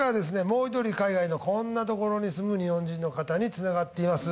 もう一人海外のこんなところに住む日本人の方につながっています